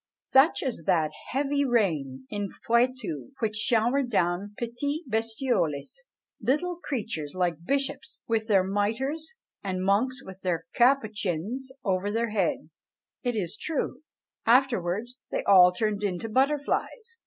Such as that heavy rain in Poitou, which showered down "petites bestioles," little creatures like bishops with their mitres, and monks with their capuchins over their heads; it is true, afterwards they all turned into butterflies!